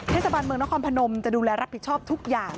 เทศบาลเมืองนครพนมจะดูแลรับผิดชอบทุกอย่าง